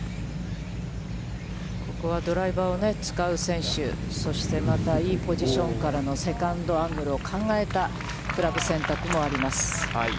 ここはドライバーを使う選手、そして、またいいポジションからのセカンドアングルを考えたクラブ選択もあります。